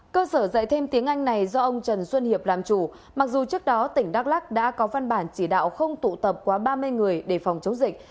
cơ sở dạy thêm tiếng anh này do ông trần xuân hiệp làm chủ mặc dù trước đó tỉnh đắk lắc đã có văn bản chỉ đạo không tụ tập quá ba mươi người để phòng chống dịch